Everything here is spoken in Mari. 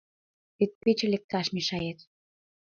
Вет пече лекташ мешает.